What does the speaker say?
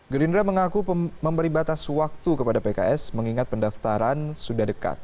gerindra mengaku memberi batas waktu kepada pks mengingat pendaftaran sudah dekat